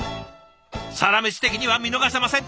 「サラメシ」的には見逃せません。